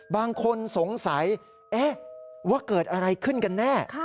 บางคนสงสัยว่าเกิดอะไรขึ้นกันแน่